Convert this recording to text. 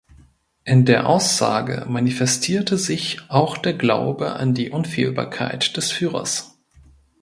In der Aussage manifestierte sich auch der Glaube an die „Unfehlbarkeit“ des Führers.